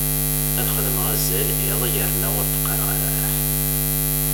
Ad xedmeɣ azal iḍ yerna ur d-qqareɣ ara aḥ.